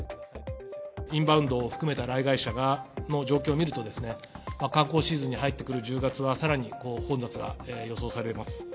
インバウンドを含めた来街者の状況を見ると、観光シーズンに入ってくる１０月は、さらに混雑が予想されます。